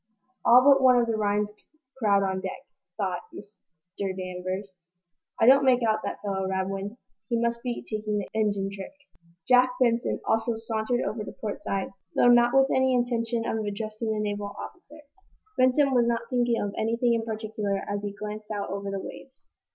"All but one of the Rhinds crowd on deck," thought Mr. Danvers. "I don't make out that fellow, Radwin. He must be taking the engine trick." Jack Benson also sauntered over to port side, though not with any intention of addressing the naval officer. Benson was not thinking of anything in particular as he glanced out over the waves.